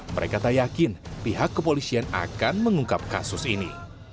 mereka tak yakin pihak kepolisian akan mengungkap kasus ini